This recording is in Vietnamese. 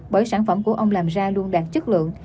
bởi sản phẩm của ông làm ra luôn đạt chất lượng